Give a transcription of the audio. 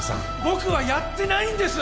僕はやってないんです！